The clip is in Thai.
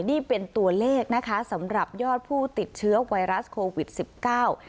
นี่เป็นตัวเลขนะคะสำหรับยอดผู้ติดเชื้อไวรัสโควิดสิบเก้า